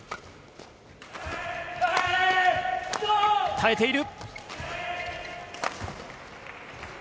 耐えている。